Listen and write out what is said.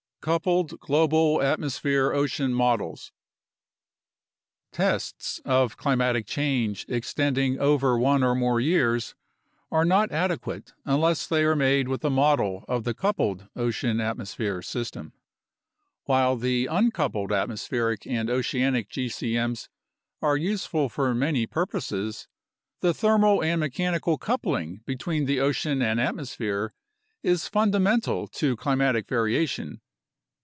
Coupled Global Atmosphere Ocean Models Tests of climatic change extending over one or more years are not adequate unless they are made with a model of the coupled ocean atmosphere system. While the un coupled atmospheric and oceanic gcm's are useful for many purposes, the thermal and mechanical coupling between the ocean and atmosphere is fundamental to climatic variation.